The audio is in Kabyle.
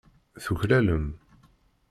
Tuklalem.